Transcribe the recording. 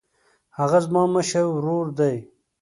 هغه زما مشر ورور دی